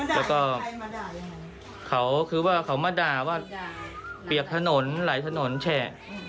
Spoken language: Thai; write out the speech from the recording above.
แล้วก็เขาคือว่าเขามาด่าว่าเปียกถนนหลายถนนแฉะ